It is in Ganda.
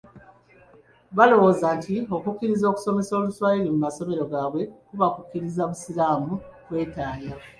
Baalowooza nti okukkiriza okusomesa Oluswayiri mu masomero gaabwe kuba kukkiriza busiraamu kwetaaya.